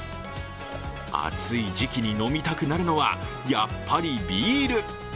暑い時期に飲みたくなるのは、やっぱりビール。